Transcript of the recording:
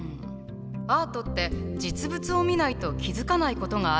アートって実物を見ないと気付かないことがあるのよね。